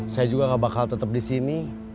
saya juga gak bakal tetap disini